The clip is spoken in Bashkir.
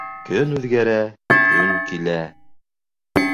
Көн үҙгәрә көн килә